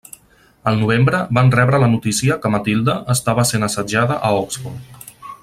Al novembre van rebre la notícia que Matilde estava sent assetjada a Oxford.